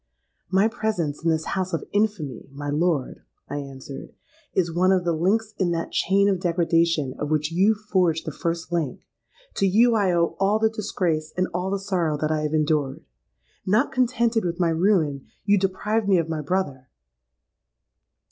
'—'My presence in this house of infamy, my lord,' I answered, 'is one of the links in that chain of degradation of which you forged the first link. To you I owe all the disgrace and all the sorrow that I have endured. Not contented with my ruin, you deprived me of my brother.'